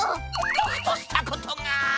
ボクとしたことが。